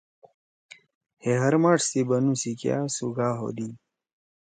ہے ہر ماݜ سی بنُو سی کیا سُوگھا ہودی۔